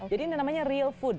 jadi ini namanya real food